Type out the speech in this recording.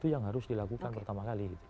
itu yang harus dilakukan pertama kali